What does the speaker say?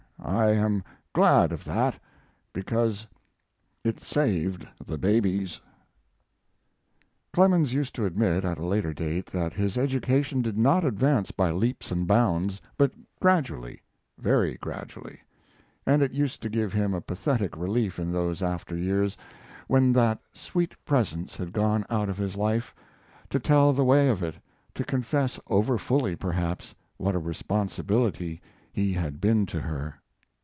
I am glad of that, because it saved the babies. Clemens used to admit, at a later day, that his education did not advance by leaps and bounds, but gradually, very gradually; and it used to give him a pathetic relief in those after years, when that sweet presence had gone out of his life, to tell the way of it, to confess over fully, perhaps, what a responsibility he had been to her.